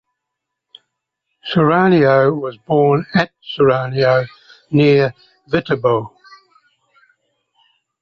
Soriano was born at Soriano, near Viterbo.